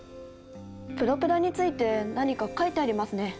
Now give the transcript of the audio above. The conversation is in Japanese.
プロペラについて何か書いてありますね。